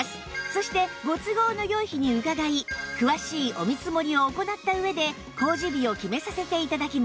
そしてご都合の良い日に伺い詳しいお見積もりを行った上で工事日を決めさせて頂きます